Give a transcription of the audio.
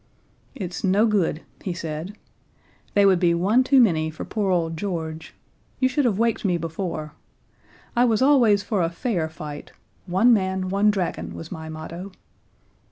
"It's no good," he said, "they would be one too many for poor old George. You should have waked me before. I was always for a fair fight one man one dragon, was my motto."